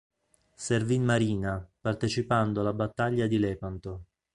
Servì in marina, partecipando alla battaglia di Lepanto.